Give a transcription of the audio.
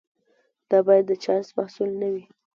دا باید د چانس محصول نه وي.